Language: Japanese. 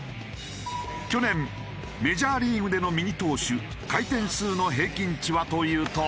去年メジャーリーグでの右投手回転数の平均値はというと。